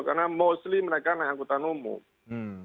karena mostly mereka anak angkutan umum